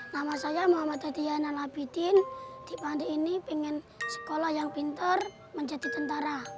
nama saya muhammad hadiana labidin di pandi ini pengen sekolah yang pintar menjadi tentara